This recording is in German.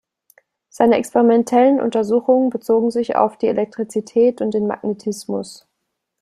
Seine experimentellen Untersuchungen bezogen sich auf die Elektrizität und den Magnetismus.